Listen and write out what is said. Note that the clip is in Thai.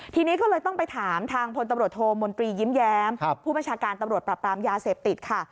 ทีนี้ก็เลยต้องไปถามทางพลตำรวจโทมนตรียิ้มแย้มผู้บัญชาการตำรวจปรับปรามยาเสพติดค่ะ